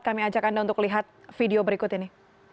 kami ajak anda untuk lihat video berikut ini